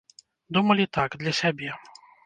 Думалі, так, для сябе.